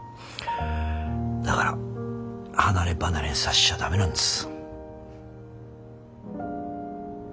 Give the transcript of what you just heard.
だから離れ離れにさしちゃ駄目なんです。